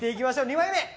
２枚目！